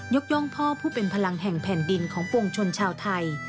ย่องพ่อผู้เป็นพลังแห่งแผ่นดินของปวงชนชาวไทย